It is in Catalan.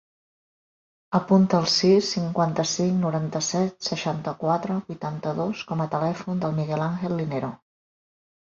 Apunta el sis, cinquanta-cinc, noranta-set, seixanta-quatre, vuitanta-dos com a telèfon del Miguel àngel Linero.